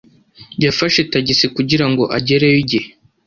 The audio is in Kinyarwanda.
Yafashe tagisi kugira ngo agereyo igihe.